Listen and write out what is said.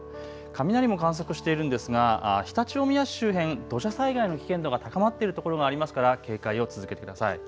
雷も観測しているんですが常陸大宮市周辺、土砂災害の危険度が高まっている所がありますから警戒を続けてください。